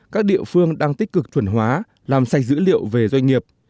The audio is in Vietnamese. các địa phương đang tích cực chuẩn hóa làm sạch dữ liệu về doanh nghiệp